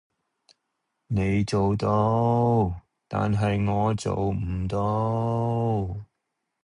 你做到，但係我做唔到